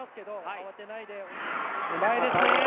うまいですね。